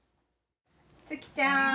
月ちゃん。